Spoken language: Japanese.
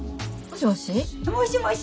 もしもし？